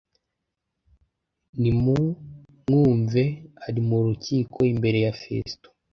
Nimumwumve ari mu rukiko imbere ya Fesito